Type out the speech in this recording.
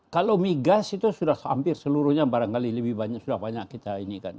kalau migas itu sudah hampir seluruhnya barangkali lebih banyak sudah banyak kita ini kan